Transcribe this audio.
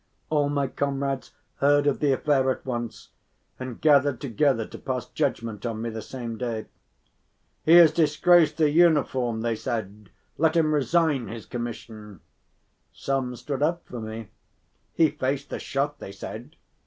All my comrades heard of the affair at once and gathered together to pass judgment on me the same day. "He has disgraced the uniform," they said; "let him resign his commission." Some stood up for me: "He faced the shot," they said.